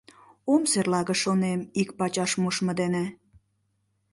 Ом серлаге, — шонем, — ик пачаш мушмо дене».